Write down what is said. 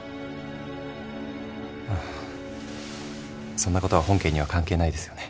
そんなことは本件には関係ないですよね。